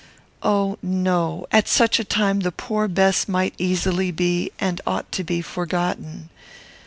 Oh no! At such a time the poor Bess might easily be, and ought to be, forgotten.